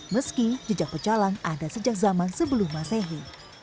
meski jejak pecalang ada sejak zaman sebelum masehi